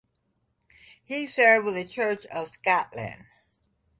He served with the Church of Scotland.